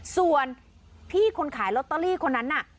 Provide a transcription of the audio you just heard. ส่วนพี่คนขายลอตเตอรี่คนนั้นน่ะ